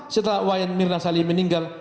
setelah wayemirna salihin meninggal